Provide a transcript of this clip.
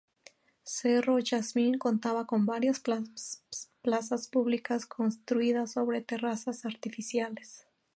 Cerro Jazmín contaba con varias plazas públicas construidas sobre terrazas artificiales.